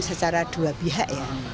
secara dua pihak ya